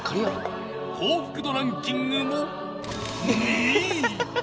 幸福度ランキングも２位。